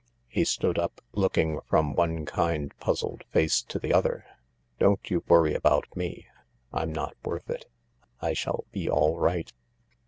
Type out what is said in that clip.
He stood up, looking from one kind, puzzled face to the other. " Don't you worry about me — I'm not worth it. I shall be all right."